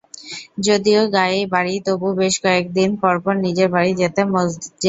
যদিও গাঁয়েই বাড়ি তবু বেশ কয়েক দিন পরপর নিজের বাড়ি যেত মজ্জেল।